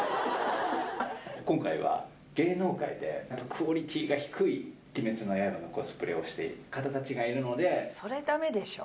今回は芸能界で、クオリティーが低い鬼滅の刃のコスプレをしている方たちがいるのそれだめでしょ。